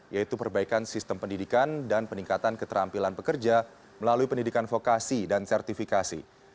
yaitu perbaikan sistem pendidikan dan peningkatan keterampilan pekerja melalui pendidikan vokasi dan sertifikasi